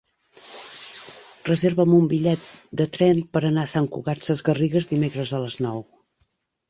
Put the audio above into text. Reserva'm un bitllet de tren per anar a Sant Cugat Sesgarrigues dimecres a les nou.